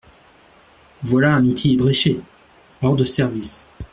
Voilà un outil ébréché, hors de service !…